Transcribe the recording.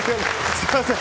すみません。